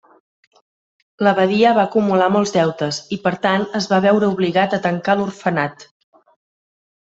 L'abadia va acumular molts deutes i per tant es va veure obligat a tancar l'orfenat.